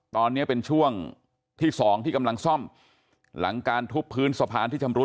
ตอนนี้เป็นช่วงที่สองที่กำลังซ่อมหลังการทุบพื้นสะพานที่ชำรุด